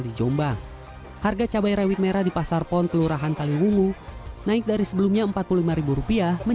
dijombang harga cabai rawit merah di pasarpon kelurahan kalimungu naik dari sebelumnya rp empat puluh lima